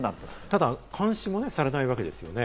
ただ、監視されないわけですよね？